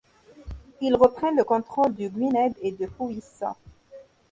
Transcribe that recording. Ils reprennent le contrôle du Gwynedd et du Powys.